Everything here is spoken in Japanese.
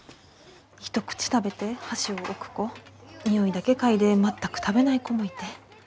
一口食べて箸を置く子匂いだけ嗅いで全く食べない子もいて。